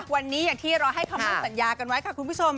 วันนี้อย่างที่เราให้คำมั่นสัญญากันไว้ค่ะคุณผู้ชม